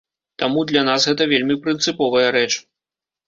Таму для нас гэта вельмі прынцыповая рэч.